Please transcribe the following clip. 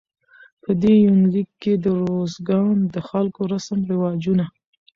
په دې يونليک کې د روزګان د خلکو رسم رواجونه